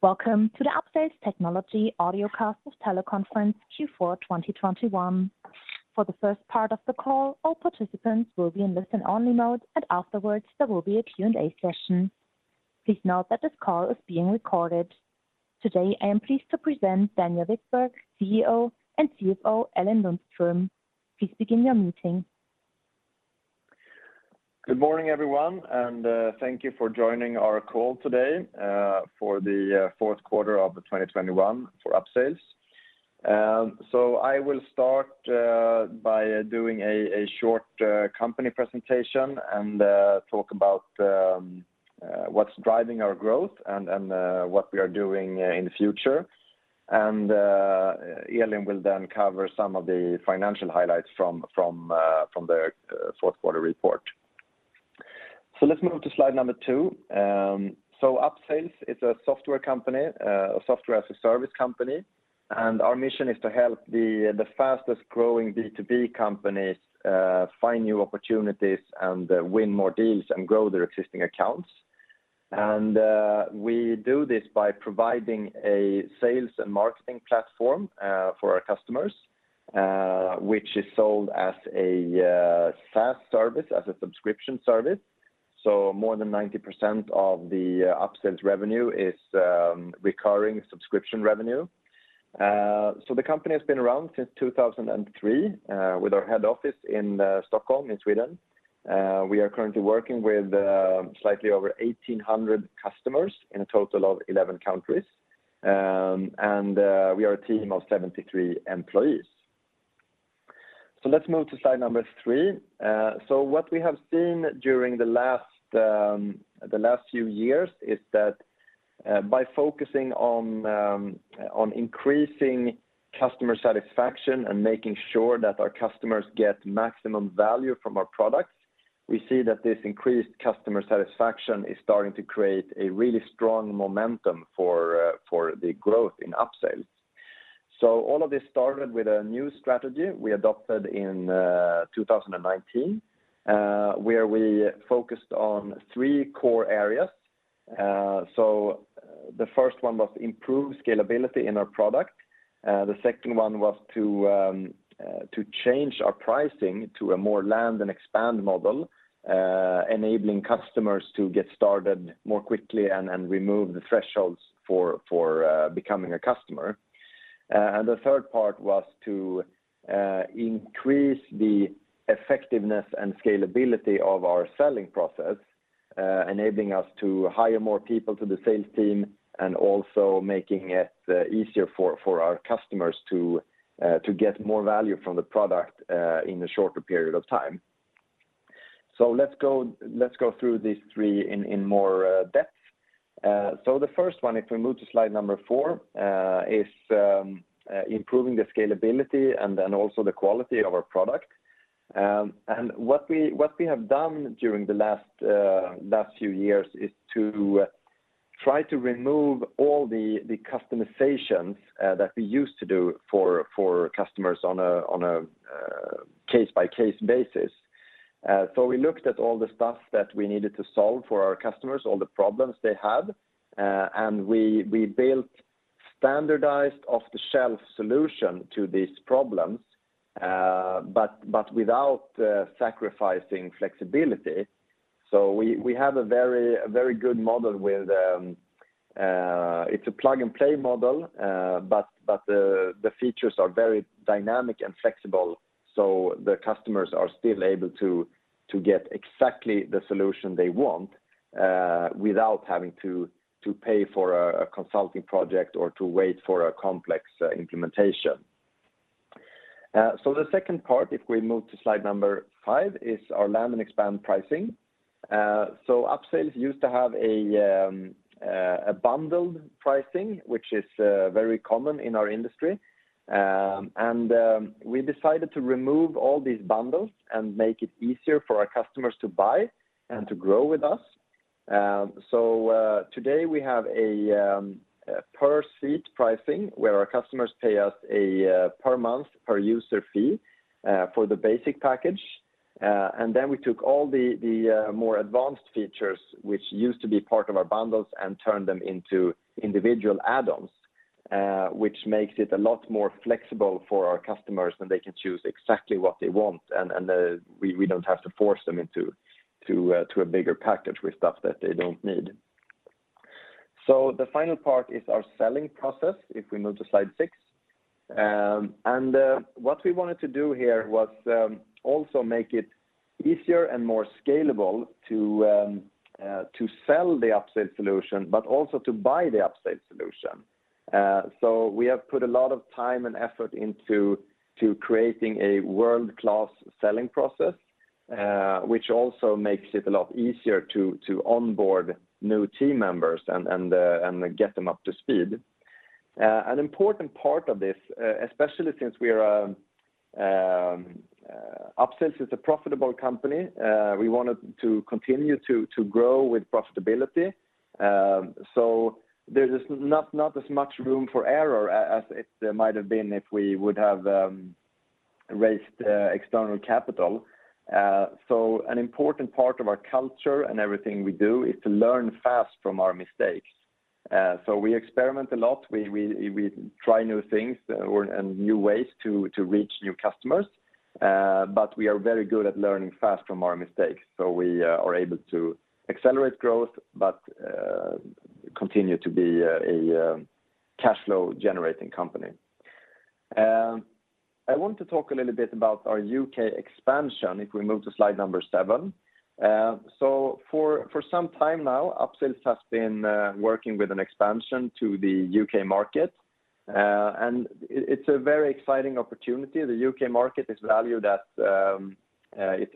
Welcome to the Upsales Technology Audiocast Teleconference Q4 2021. For the first part of the call, all participants will be in listen-only mode, and afterwards, there will be a Q&A session. Please note that this call is being recorded. Today, I am pleased to present Daniel Wikberg, CEO, and Elin Lundström, CFO. Please begin your meeting. Good morning, everyone, and thank you for joining our call today for the Q4 of 2021 for Upsales. I will start by doing a short company presentation and talk about what's driving our growth and what we are doing in the future. Elin will then cover some of the financial highlights from the Q4 report. Let's move to slide number two. Upsales is a software company, a software as a service company. Our mission is to help the fastest-growing B2B companies find new opportunities and win more deals and grow their existing accounts. We do this by providing a sales and marketing platform for our customers, which is sold as a SaaS service, as a subscription service. More than 90% of the Upsales revenue is recurring subscription revenue. The company has been around since 2003, with our head office in Stockholm, in Sweden. We are currently working with slightly over 1,800 customers in a total of 11 countries. We are a team of 73 employees. Let's move to slide number 3. What we have seen during the last few years is that by focusing on increasing customer satisfaction and making sure that our customers get maximum value from our products, we see that this increased customer satisfaction is starting to create a really strong momentum for the growth in Upsales. All of this started with a new strategy we adopted in 2019 where we focused on three core areas. So, The first one was improve scalability in our product. The second one was to change our pricing to a more land and expand model enabling customers to get started more quickly and remove the thresholds for becoming a customer. The third part was to increase the effectiveness and scalability of our selling process, enabling us to hire more people to the sales team and also making it easier for our customers to get more value from the product in a shorter period of time. Let's go through these three in more depth. The first one, if we move to slide number 4, is improving the scalability and then also the quality of our product. What we have done during the last few years is to try to remove all the customizations that we used to do for customers on a case-by-case basis. We looked at all the stuff that we needed to solve for our customers, all the problems they had, and we built standardized off-the-shelf solution to these problems, but without sacrificing flexibility. We have a very good model with. It's a plug-and-play model, but the features are very dynamic and flexible, so the customers are still able to get exactly the solution they want, without having to pay for a consulting project or to wait for a complex implementation. The second part, if we move to slide number five, is our land and expand pricing. Upsales used to have a bundled pricing, which is very common in our industry. We decided to remove all these bundles and make it easier for our customers to buy and to grow with us. Today we have a per-seat pricing, where our customers pay us a per-month, per-user fee for the basic package. We took all the more advanced features, which used to be part of our bundles, and turned them into individual add-ons, which makes it a lot more flexible for our customers, and they can choose exactly what they want. We don't have to force them into a bigger package with stuff that they don't need. The final part is our selling process, if we move to slide six. What we wanted to do here was also make it easier and more scalable to sell the Upsales solution, but also to buy the Upsales solution. We have put a lot of time and effort into creating a world-class selling process, which also makes it a lot easier to onboard new team members and get them up to speed. An important part of this, especially since Upsales is a profitable company. We wanted to continue to grow with profitability. There's not as much room for error as it might have been if we would have raised external capital. An important part of our culture and everything we do is to learn fast from our mistakes. We experiment a lot. We try new things and new ways to reach new customers. We are very good at learning fast from our mistakes. We are able to accelerate growth, but continue to be a cash flow generating company. I want to talk a little bit about our U.K. expansion, if we move to slide number seven. For some time now, Upsales has been working with an expansion to the U.K. market. It's a very exciting opportunity. The U.K. market is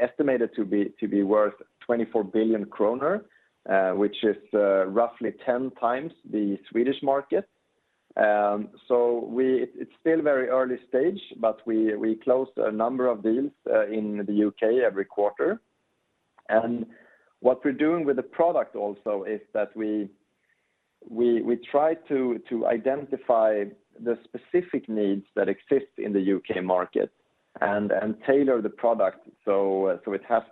estimated to be worth 24 billion kronor, which is roughly 10 times the Swedish market. It's still very early stage, but we closed a number of deals in the U.K. every quarter. What we're doing with the product also is that we try to identify the specific needs that exist in the U.K. market and tailor the product. It has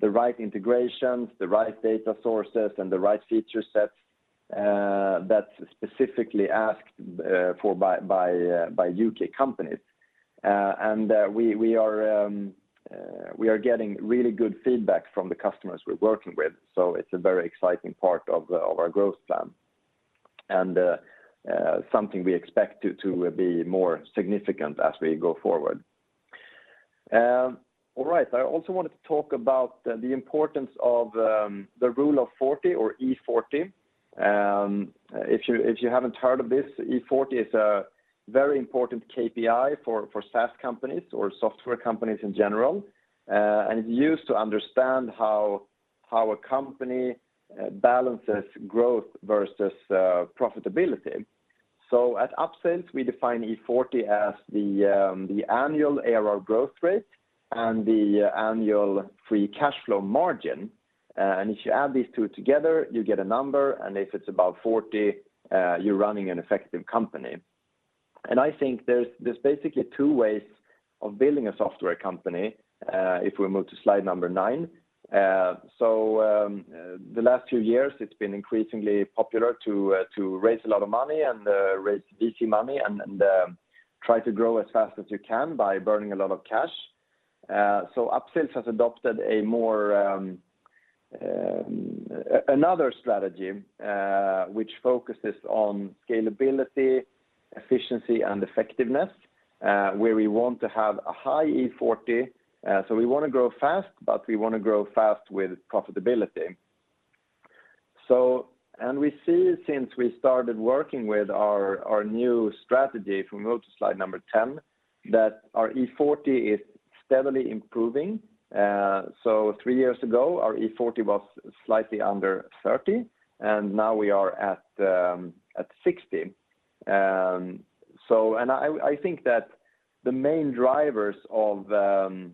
the right integrations, the right data sources, and the right feature sets that's specifically asked for by U.K. companies. We are getting really good feedback from the customers we're working with. It's a very exciting part of our growth plan. Something we expect to be more significant as we go forward. All right. I also wanted to talk about the importance of the Rule of 40 or E40. If you haven't heard of this, E40 is a very important KPI for SaaS companies or software companies in general. It's used to understand how a company balances growth versus profitability. At Upsales, we define E40 as the annual ARR growth rate and the annual free cash flow margin. If you add these two together, you get a number, and if it's about 40, you're running an effective company. I think there's basically 2 ways of building a software company, if we move to slide number 9. The last few years, it's been increasingly popular to raise a lot of money and raise easy money and try to grow as fast as you can by burning a lot of cash. Upsales has adopted another strategy, which focuses on scalability, efficiency, and effectiveness, where we want to have a high E40. We wanna grow fast, but we wanna grow fast with profitability. We see since we started working with our new strategy, if we move to slide number 10, that our E40 is steadily improving. Three years ago, our E40 was slightly under 30, and now we are at 60. I think that the main drivers of an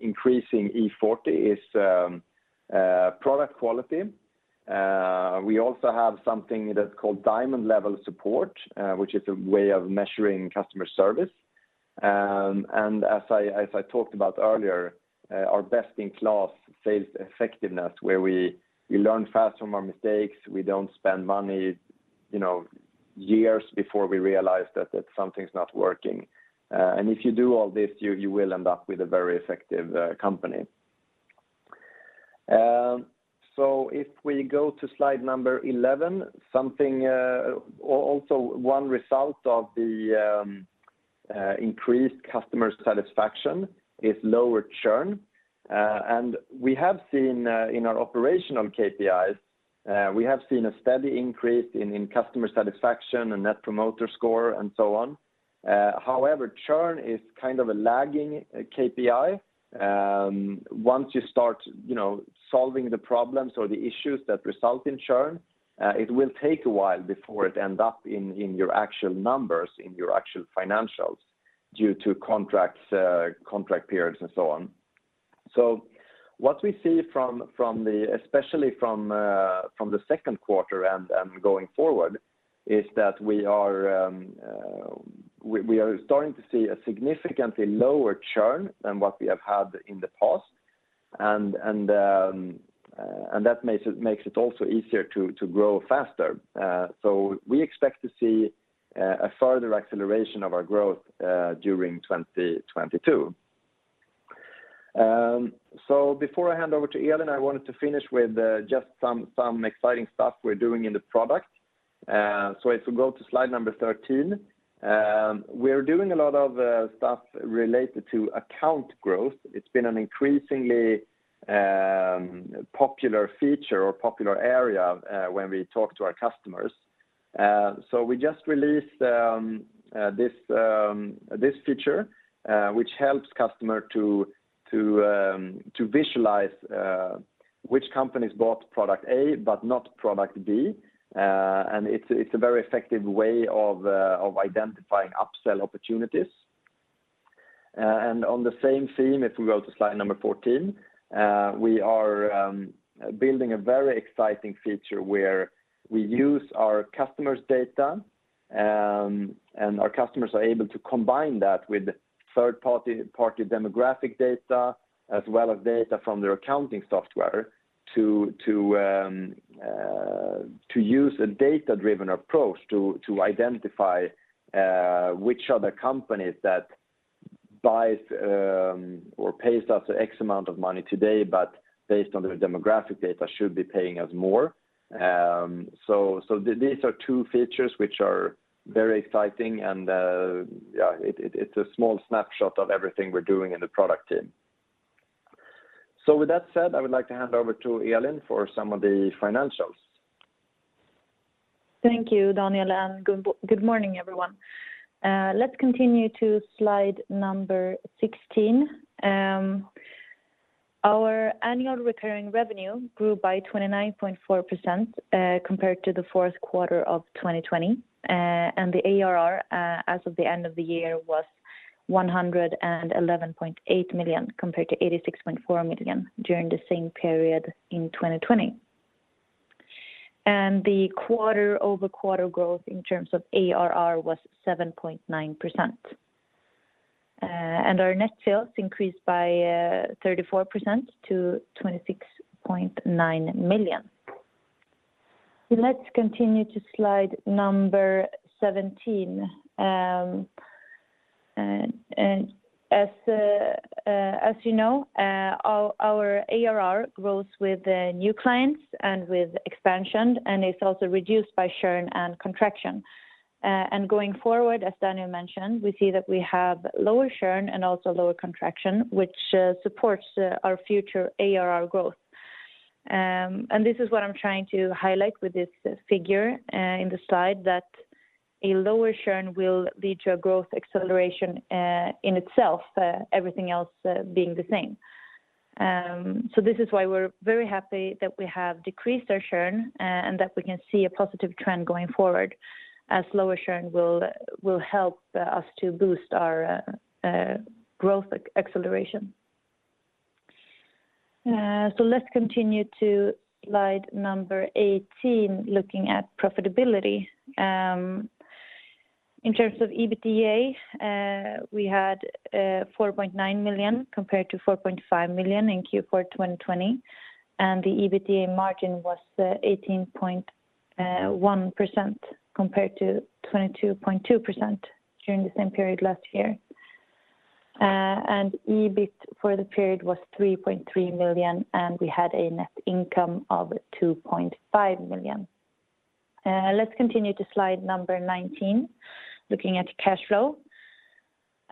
increasing E40 is product quality. We also have something that's called Diamond Level Support, which is a way of measuring customer service. As I talked about earlier, our best-in-class sales effectiveness, where we learn fast from our mistakes, we don't spend money, you know, years before we realize that something's not working. If you do all this, you will end up with a very effective company. One result of the increased customer satisfaction is lower churn. We have seen in our operational KPIs a steady increase in customer satisfaction and Net Promoter Score and so on. However, churn is kind of a lagging KPI. Once you start, you know, solving the problems or the issues that result in churn, it will take a while before it end up in your actual numbers, in your actual financials due to contracts, contract periods and so on. What we see especially from the Q2 and going forward is that we are starting to see a significantly lower churn than what we have had in the past. That makes it also easier to grow faster. We expect to see a further acceleration of our growth during 2022. Before I hand over to Elin, I wanted to finish with just some exciting stuff we're doing in the product. If we go to slide number 13, we're doing a lot of stuff related to Account Growth. It's been an increasingly popular feature or popular area when we talk to our customers. We just released this feature which helps customer to visualize which companies bought product A but not product B. It's a very effective way of identifying upsell opportunities. On the same theme, if we go to slide number 14, we are building a very exciting feature where we use our customers' data, and our customers are able to combine that with third party demographic data as well as data from their accounting software to use a data-driven approach to identify which other companies that buys or pays us X amount of money today, but based on their demographic data, should be paying us more. So these are two features which are very exciting and yeah, it's a small snapshot of everything we're doing in the product team. With that said, I would like to hand over to Elin for some of the financials. Thank you, Daniel, and good morning, everyone. Let's continue to slide number 16. Our annual recurring revenue grew by 29.4%, compared to the Q4 of 2020. The ARR, as of the end of the year, was 111.8 million compared to 86.4 million during the same period in 2020. The quarter-over-quarter growth in terms of ARR was 7.9%. Our net sales increased by 34% to 26.9 million. Let's continue to slide number 17. As you know, our ARR grows with new clients and with expansion, and it's also reduced by churn and contraction. Going forward, as Daniel mentioned, we see that we have lower churn and also lower contraction, which supports our future ARR growth. This is what I'm trying to highlight with this figure in the slide, that a lower churn will lead to a growth acceleration in itself, everything else being the same. This is why we're very happy that we have decreased our churn and that we can see a positive trend going forward, as lower churn will help us to boost our growth acceleration. Let's continue to slide number 18, looking at profitability. In terms of EBITDA, we had 4.9 million compared to 4.5 million in Q4 2020. The EBITDA margin was 18.1% compared to 22.2% during the same period last year. EBIT for the period was 3.3 million, and we had a net income of 2.5 million. Let's continue to slide number 19, looking at cash flow.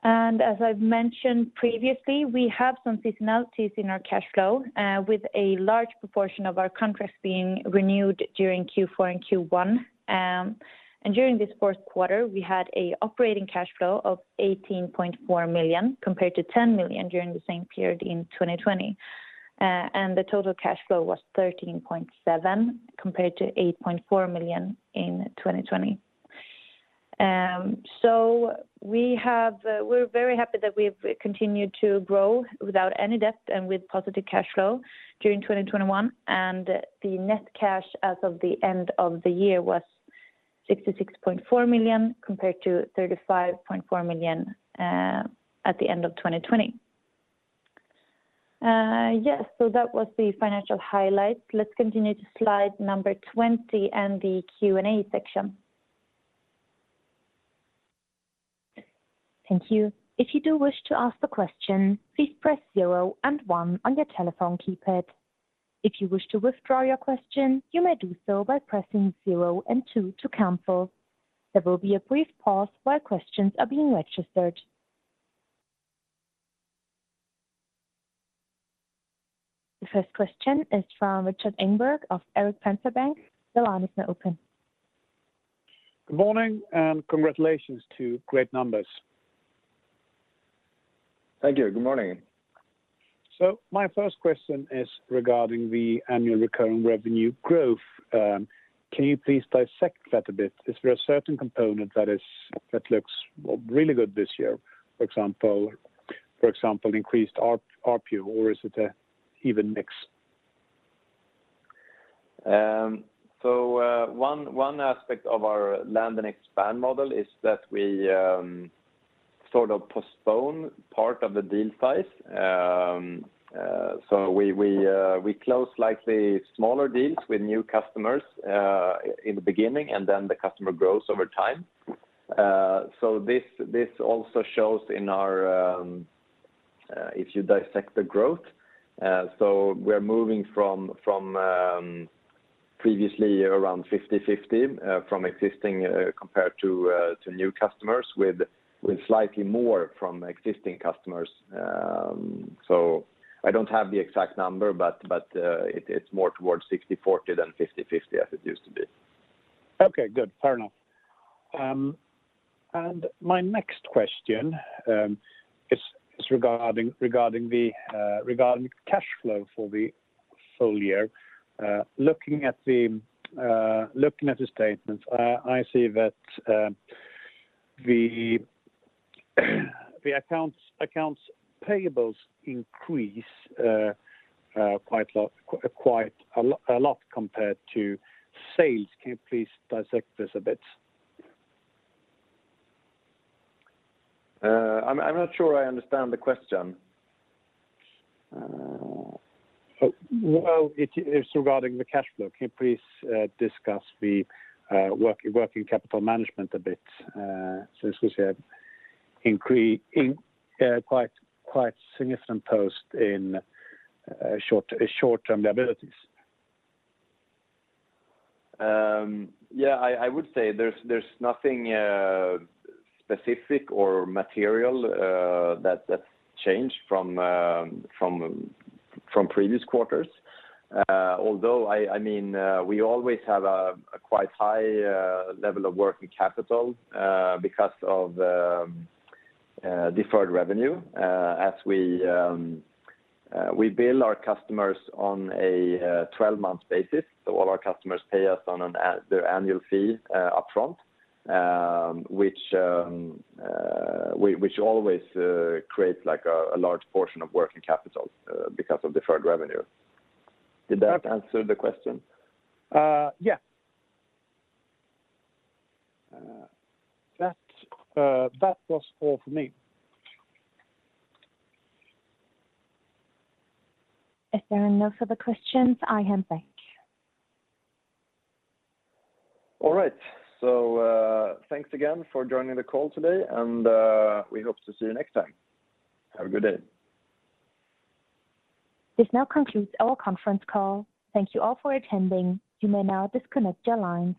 As I've mentioned previously, we have some seasonality in our cash flow with a large proportion of our contracts being renewed during Q4 and Q1. During this Q4, we had an operating cash flow of 18.4 million compared to 10 million during the same period in 2020. The total cash flow was 13.7 million compared to 8.4 million in 2020. We're very happy that we've continued to grow without any debt and with positive cash flow during 2021. The net cash as of the end of the year was 66.4 million compared to 35.4 million at the end of 2020. That was the financial highlights. Let's continue to slide number 20 and the Q&A section. Thank you. If you do wish to ask a question, please press 0 and 1 on your telephone keypad. If you wish to withdraw your question, you may do so by pressing 0 and 2 to cancel. There will be a brief pause while questions are being registered. The first question is from Rikard Engberg of Erik Penser Bank. The line is now open. Good morning, and congratulations to great numbers. Thank you. Good morning. My first question is regarding the annual recurring revenue growth. Can you please dissect that a bit? Is there a certain component that looks, well, really good this year? For example, increased ARPU, or is it an even mix? One aspect of our land and expand model is that we sort of postpone part of the deal size. We close slightly smaller deals with new customers in the beginning, and then the customer grows over time. This also shows in our if you dissect the growth. We're moving from previously around 50/50 from existing compared to new customers with slightly more from existing customers. I don't have the exact number, but it's more towards 60/40 than 50/50 as it used to be. Okay, good. Fair enough. My next question is regarding cash flow for the full year. Looking at the statements, I see that the accounts payable increase quite a lot compared to sales. Can you please dissect this a bit? I'm not sure I understand the question. Well, it's regarding the cash flow. Can you please discuss the working capital management a bit? Since we see an increase in quite significant position in short-term liabilities. Yeah. I would say there's nothing specific or material that's changed from previous quarters. Although, I mean, we always have a quite high level of working capital because of deferred revenue. As we bill our customers on a 12-month basis. All our customers pay us their annual fee upfront, which always creates like a large portion of working capital because of deferred revenue. Did that answer the question? Yeah. That was all for me. If there are no further questions, I can thank you. All right. Thanks again for joining the call today, and we hope to see you next time. Have a good day. This now concludes our conference call. Thank you all for attending. You may now disconnect your lines.